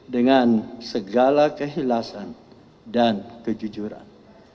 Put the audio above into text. dengan segala kehilasan dan kejujuran